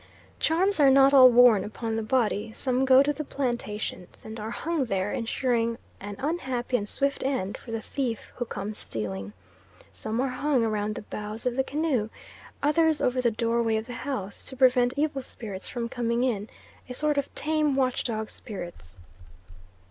Charms are not all worn upon the body, some go to the plantations, and are hung there, ensuring an unhappy and swift end for the thief who comes stealing. Some are hung round the bows of the canoe, others over the doorway of the house, to prevent evil spirits from coming in a sort of tame watch dog spirits.